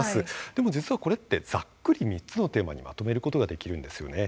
でも実はこれ、ざっくり３つのテーマにまとめることができるんですよね。